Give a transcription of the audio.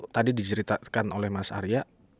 tadi diceritakan oleh mas arya